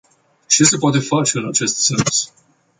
Ce se poate face în acest sens?